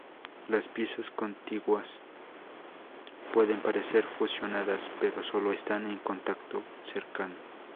Las piezas contiguas pueden parecer fusionadas, pero sólo están en contacto cercano.